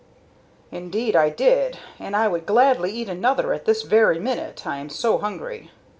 "Indeed I did, and I would gladly eat another at this very minute, I am so hungry.